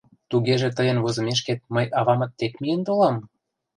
— Тугеже, тыйын возымешкет, мый авамыт дек миен толам?